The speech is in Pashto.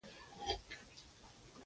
سیکهان به مقاومت کوي.